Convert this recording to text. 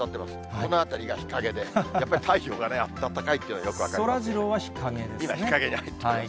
この辺りが日陰で、やっぱり太陽が暖かいというのがよく分かります。